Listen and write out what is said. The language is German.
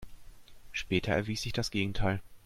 Später erwies sich das Gegenteil.